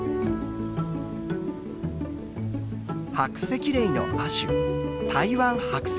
ハクセキレイの亜種タイワンハクセキレイ。